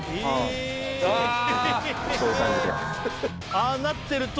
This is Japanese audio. ああなってると。